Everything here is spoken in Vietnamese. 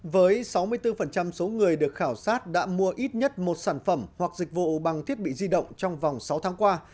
với sáu mươi bốn số người được khảo sát đã mua ít nhất một sản phẩm hoặc dịch vụ bằng thiết bị di động trong vòng sáu tháng qua